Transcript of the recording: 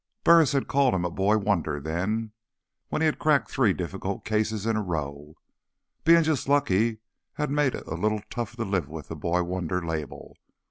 Burris had called him a Boy Wonder then, when he'd cracked three difficult cases in a row. Being just lucky had made it a little tough to live with the Boy Wonder label.